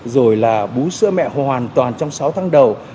rồi là bú sữa mẹ hoàn toàn trong sáu tháng đầu